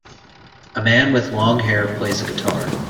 A man with long hair plays a guitar.